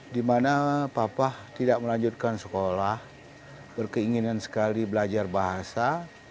di mana papa tidak melanjutkan sekolah berkeinginan sekali belajar bahasa